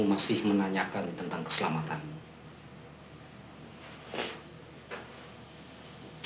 masih menanyakan tentang keselamatanmu